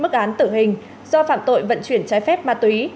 mức án tử hình do phạm tội vận chuyển trái phép ma túy